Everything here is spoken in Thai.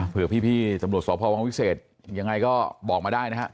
เผื่อพี่สำรวจสพวิเศษยังไงก็บอกมาได้นะครับ